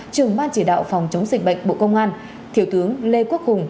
trưởng ban chỉ đạo phòng chống dịch bệnh bộ công an thiểu tướng lê quốc hùng